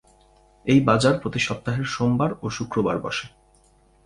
এই বাজার প্রতি সপ্তাহের সোমবার ও শুক্রবার বসে।